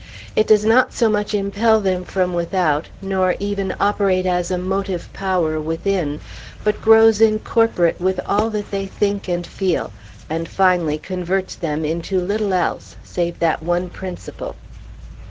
It does not so much impel them from without, nor even operate as a motive power within, but grows incorporate with all that they think and feel, and finally converts them into little else save that one principle.